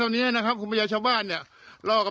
นี่ฮะ